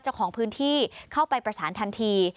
เจ้าของพื้นที่เข้าไปประสานทันที